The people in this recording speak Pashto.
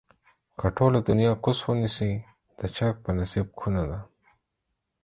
که ټوله دنياکوس ونسي ، د چرگ په نصيب کونه ده